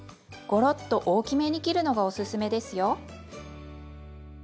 ごろっと大きめに切るのがおすすめですよ。